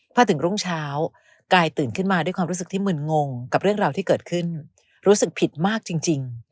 พอถึงรุ่งเช้ากายตื่นขึ้นมาด้วยความรู้สึกที่มึนงงกับเรื่องราวที่เกิดขึ้นรู้สึกผิดมากจริง